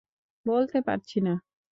বলতে পারছি না।